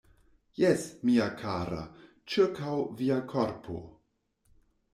Jes, mia kara, ĉirkaŭ via korpo.